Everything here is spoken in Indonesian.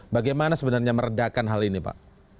bagaimana sebenarnya meredakan hal ini pak